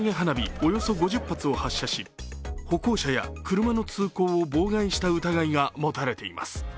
およそ５０発を発射し歩行者は車の通行を妨害した疑いが持たれています。